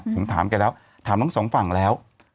ผมถามแกแล้วถามทั้งสองฝั่งแล้ว